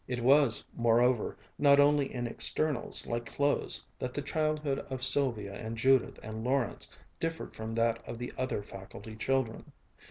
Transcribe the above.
It was, moreover, not only in externals like clothes that the childhood of Sylvia and Judith and Lawrence differed from that of the other faculty children.